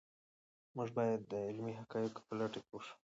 موږ باید د علمي حقایقو په لټه کې شو.